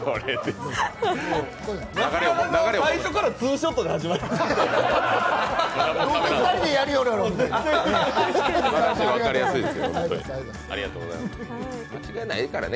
最初からツーショットで始まりましたもんね。